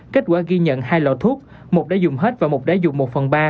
kết quả ghi nhận hai lọ thuốc một đã dùng hết và mục đã dùng một phần ba